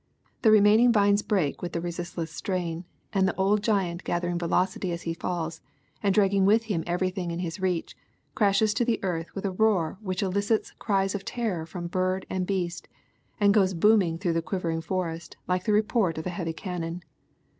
The remaining vines break with the resist less strain, and the old giant gathering velocity as he falls and dragging with him everything in his reach, crashes to the earth with a roar which elicits cries of terror from bird and beast, and goes booming through the quivering forest like the report of a heavy cannon.